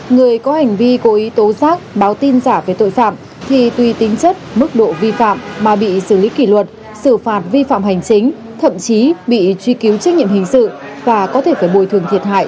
người có hành vi cố ý tố giác báo tin giả về tội phạm thì tùy tính chất mức độ vi phạm mà bị xử lý kỷ luật xử phạt vi phạm hành chính thậm chí bị truy cứu trách nhiệm hình sự và có thể phải bồi thường thiệt hại